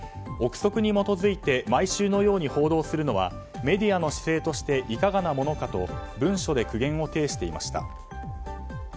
憶測に基づいて毎週のように報道するのはメディアの姿勢としていかがなものかと文書で苦言を呈していました。